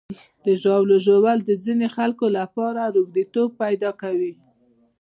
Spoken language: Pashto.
د ژاولې ژوول د ځینو خلکو لپاره روږديتوب پیدا کوي.